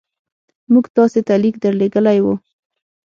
موږ تاسي ته لیک درلېږلی وو.